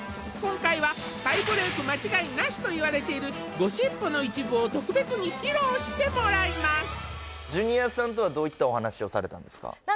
今回は再ブレイク間違いなしといわれているゴシップの一部を特別に披露してもらいますジュニアさんとはどういったお話をされたんですか？